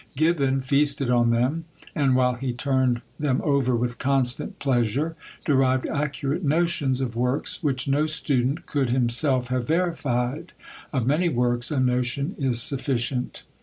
GIBBON feasted on them; and while he turned them over with constant pleasure, derived accurate notions of works, which no student could himself have verified; of many works a notion is sufficient.